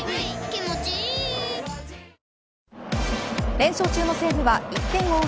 連勝中の西武は１点を追う